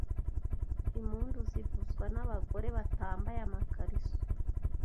Impund zivuzwa n’ abagore batambaye amakariso